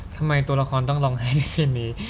ทำไมตัวละครต้องร้องไห้ในเส้นนี้